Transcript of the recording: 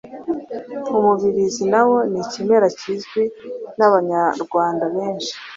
umubirizi na wo ni ikimera kizwi n’abanyarwanda benshi,